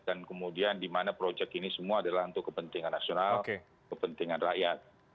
dan kemudian di mana project ini semua adalah untuk kepentingan nasional kepentingan rakyat